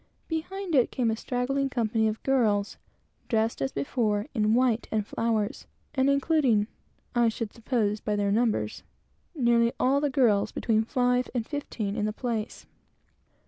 Behind it came a straggling company of girls, dressed as before, in white and flowers, and including, I should suppose by their numbers, nearly all the girls between five and fifteen in the place.